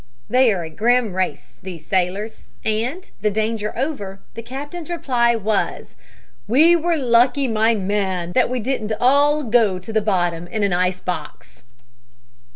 They are a grim race, these sailors, and, the danger over, the captain's reply was: "We were lucky, my man, that we didn't all go to the bottom in an ice box."